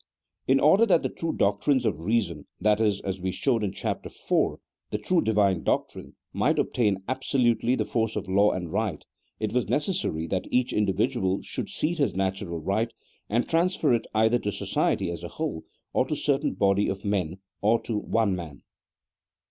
In order that the true doctrines of reason, that is (as we showed in Chapter IT.), the true Divine doctrines might obtain absolutely the force of law and right, it was necessary that each individual should cede his natural right, and transfer it either to society as a whole, or to a certain body of men, or to one man.